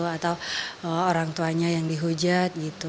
atau orang tuanya yang dihujat gitu